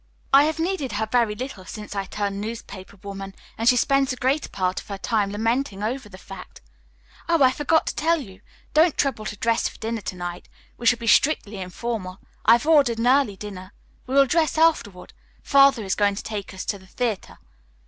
I have needed her very little since I turned newspaper woman, and she spends the greater part of her time lamenting over the fact. Oh, I forgot to tell you, don't trouble to dress for dinner to night. We shall be strictly informal. I have ordered an early dinner. We will dress afterward. Father is going to take us to the theatre."